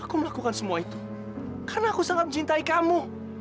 aku melakukan semua itu karena aku sangat mencintai kamu